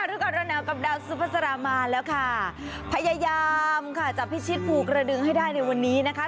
รู้ก่อนร้อนหนาวกับดาวสุภาษามาแล้วค่ะพยายามค่ะจับพิชิตภูกระดึงให้ได้ในวันนี้นะคะ